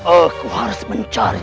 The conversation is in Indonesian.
aku harus mencari